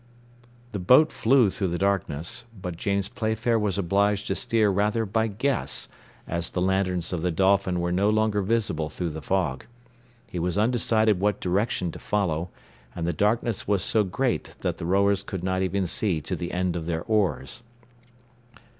The boat flew through the darkness, but James Playfair was obliged to steer rather by guess, as the lanterns of the Dolphin were no longer visible through the fog. He was undecided what direction to follow, and the darkness was so great that the rowers could not even see to the end of their oars.